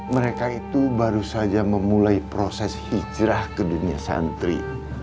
mereka itu baru saja memulai proses hijrah ke dunia santri